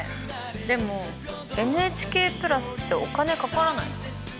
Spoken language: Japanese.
でもＮＨＫプラスってお金かからないの？